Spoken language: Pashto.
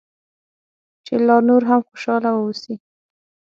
چې لا نور هم خوشاله واوسې.